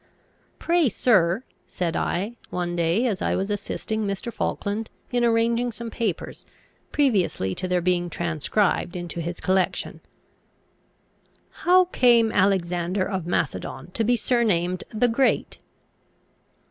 "Pray, sir," said I, one day as I was assisting Mr. Falkland in arranging some papers, previously to their being transcribed into his collection, "how came Alexander of Macedon to be surnamed the Great?"